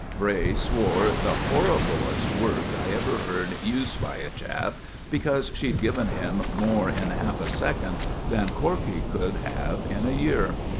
Bray swore the horriblest words I ever heard used by a chap, because she'd given him more in half a second than Corkey could have in a year.